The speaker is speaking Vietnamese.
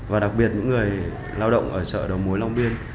và đặc biệt những người lao động ở chợ đầu mối long biên